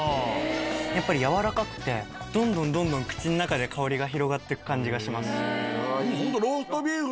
やっぱり軟らかくてどんどんどんどん口の中で香りが広がって行く感じがします。